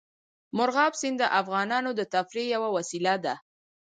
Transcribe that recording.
مورغاب سیند د افغانانو د تفریح یوه وسیله ده.